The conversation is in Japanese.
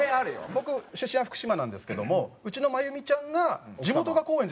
僕出身は福島なんですけどもうちの真由美ちゃんが地元が高円寺なんですよ。